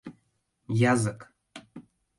Язык...